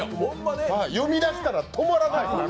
読みだしたら止まらない。